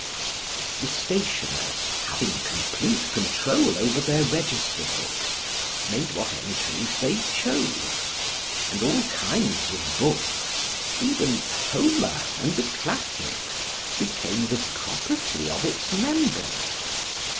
The stationers, having complete control over their register books, made what entries they chose, and all kinds of books, even Homer and the Classics, became the 'property' of its members.